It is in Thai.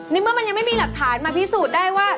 เมื่อมันยังไม่มีหลักฐานมาพิสูจน์ได้ว่า